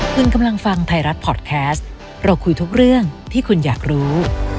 คุณกำลังฟังไทยรัฐพอร์ตแคสต์เราคุยทุกเรื่องที่คุณอยากรู้